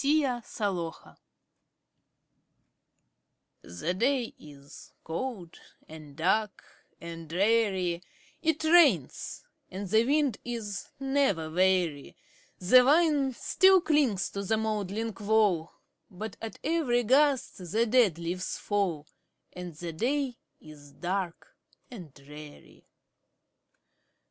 THE RAINY DAY. The day is cold, and dark, and dreary; It rains, and the wind is never weary; The vine still clings to the moldering wall, But at every gust the dead leaves fall, And the day is dark and dreary.